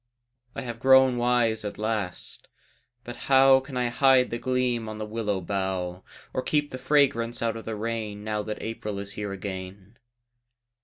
I have grown wise at last but how Can I hide the gleam on the willow bough, Or keep the fragrance out of the rain Now that April is here again?